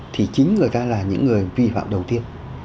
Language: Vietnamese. thì chính người ta là những người vi phạm đầu tiên